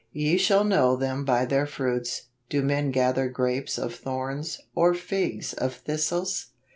" Ye shall know them by their fruits. Do men gather grapes of thorns , or figs of thistles